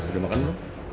udah makan dulu